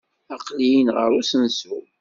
Aql-iyi-n ɣer usensu.